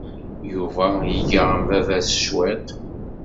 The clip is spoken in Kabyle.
Yuba iga am baba-s cwiṭ.